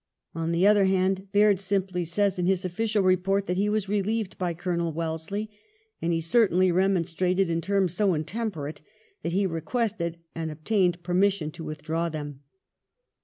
On the other hand Baird simply says in his official report that he was relieved by Colonel Wellesley, and he certainly remonstrated in terms so intemperate that he requested and obtained permission to withdraw them.